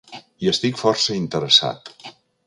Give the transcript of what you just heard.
Hi estic força interessat.